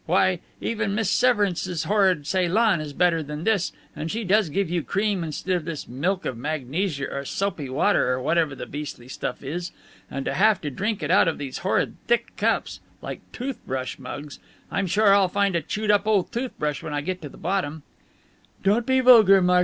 Why, even Miss Severance's horrid Ceylon is better than this, and she does give you cream, instead of this milk of magnesia or soapy water or whatever the beastly stuff is. And to have to drink it out of these horrid thick cups like toothbrush mugs. I'm sure I'll find a chewed up old toothbrush when I get to the bottom." "Don't be vulgar, Marky.